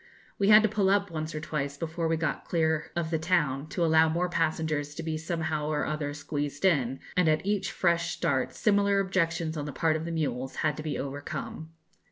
We had to pull up once or twice before we got clear of the town, to allow more passengers to be somehow or other squeezed in, and at each fresh start similar objections on the part of the mules had to be overcome.